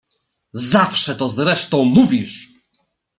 "Zawsze to zresztą mówisz!"